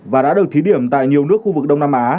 và đã được thí điểm tại nhiều nước khu vực đông nam á